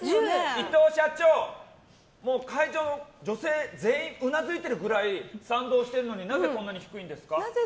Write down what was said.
伊藤社長スタジオの女性全員うなずいてるぐらい賛同してるのになぜこんなに低いんですか？